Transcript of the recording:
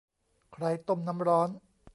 ใครต้มน้ำร้อน ?